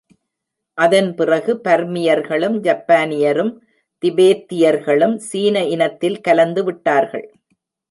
அதன் பிறகு பர்மியர்களும், ஜப்பானியரும், திபேத்தியர்களும் சீன இனத்தில் கலந்து விட்டார்கள்.